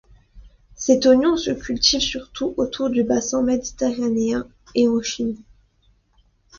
Cet oignon se cultive surtout autour du bassin méditerranéen et en Chine.